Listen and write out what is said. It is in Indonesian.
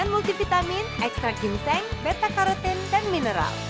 multivitamin ekstrak ginseng beta karotin dan mineral